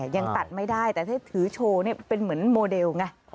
ยังตัดไม่ได้แต่ถ้าถือโชว์เป็นเหมือนโมเดลไง